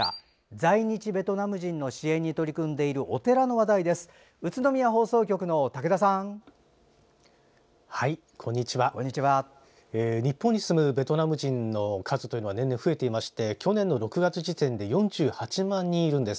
在日ベトナム人の支援に取り組んでいるお寺の話題です。